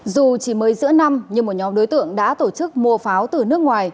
dù chỉ mới giữa năm nhưng một nhóm đối tượng đã tổ chức mua pháo từ nước ngoài